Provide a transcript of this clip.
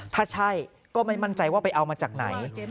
ถ้าใช่ก็ไม่มั่นใจว่าไปเอามาจากไหน